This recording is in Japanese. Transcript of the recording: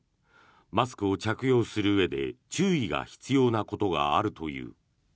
マスクを着用するうえで注意が必要なことがあるという。